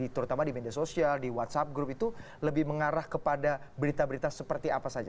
terutama di media sosial di whatsapp group itu lebih mengarah kepada berita berita seperti apa saja